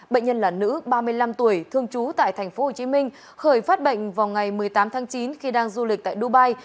bệnh nhân là nữ ba mươi năm tuổi thương chú tại tp hcm khởi phát bệnh vào ngày một mươi tám tháng chín khi đang du lịch tại dubai